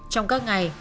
trong các ngày